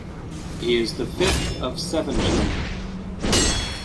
He is the fifth of seven children.